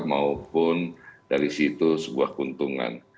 maupun dari situ sebuah keuntungan